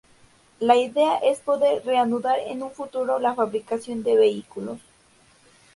La idea es poder reanudar en un futuro la fabricación de vehículos.